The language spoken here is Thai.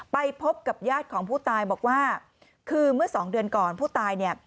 ไปพบกับญาติของผู้ตายบอกว่าคือเมื่อสองเดือนก่อนผู้ตายเนี่ย